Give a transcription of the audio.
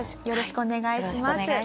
よろしくお願いします。